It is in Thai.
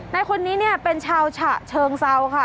ในคนนี้เนี่ยเป็นชาวฉะเชิงเซาค่ะ